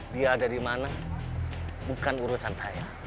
dia ada di mana bukan urusan saya